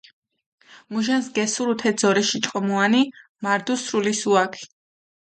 მუჟანს გესურუ თე ძორიში ჭკომუანი, მარდუ სრული სუაქ.